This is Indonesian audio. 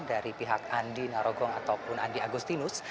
dari pihak andi narogong ataupun andi agustinus